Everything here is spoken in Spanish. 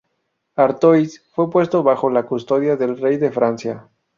Artois fue puesto bajo la custodia del rey de Francia.